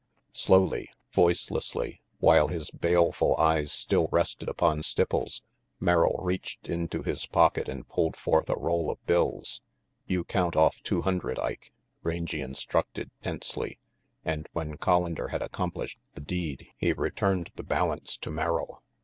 Slowly, voicelessly, while his baleful eyes still rested upon Stipples, Merrill reached into his pocket and pulled forth a roll of bills. "You count off two hundred, Ike," Rangy instructed tensely; and when Collander had accom plished the deed he returned the balance to Merrill.